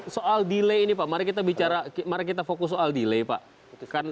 soal delay ini pak mari kita fokus soal delay pak